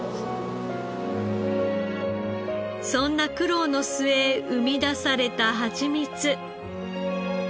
そんな苦労の末生み出されたハチミツ。